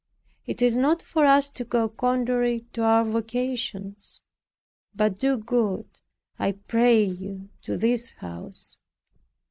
It is not for us to go contrary to our vocations; but do good, I pray you, to this house."